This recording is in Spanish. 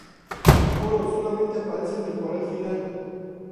El coro solamente aparece en el coral final.